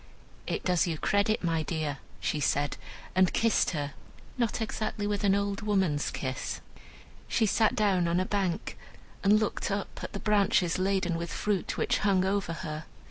"It does you credit, my dear," she said, and kissed her, not exactly with an old woman's kiss. She sat down on a bank, and looked up at the branches laden with fruit which hung over her.